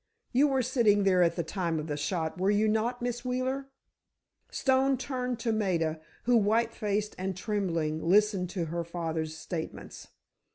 "You were sitting there at the time of the shot, were you not, Miss Wheeler?" Stone turned to Maida, who, white faced and trembling, listened to her father's statements.